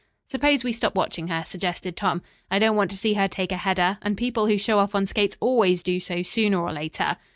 "Suppose we stop watching her," suggested Tom. "I don't want to see her take a header, and people who show off on skates always do so, sooner or later."